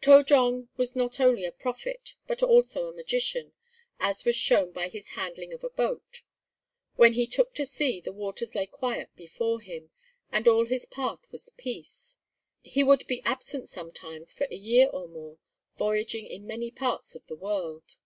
To jong was not only a prophet, but also a magician, as was shown by his handling of a boat. When he took to sea the waters lay quiet before him, and all his path was peace. He would be absent sometimes for a year or more, voyaging in many parts of the world.